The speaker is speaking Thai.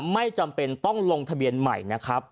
ไม่จำเป็นต้องลงทะเบียนใหม่นะครับ